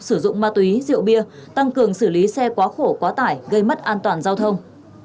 sử dụng ma túy rượu bia tăng cường xử lý xe quá khổ quá tải gây mất an toàn giao thông